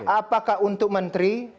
apakah untuk menteri